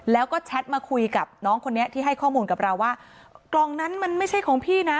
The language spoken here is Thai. แล้วก็แชทมาคุยกับน้องคนนี้ที่ให้ข้อมูลกับเราว่ากล่องนั้นมันไม่ใช่ของพี่นะ